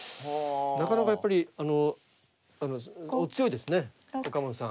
なかなかやっぱりあのお強いですね岡本さん。